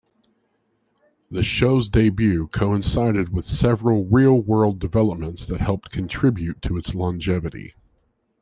The show's debut coincided with several real-world developments that helped contribute to its longevity.